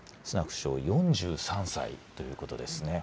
首相４３歳ということですね。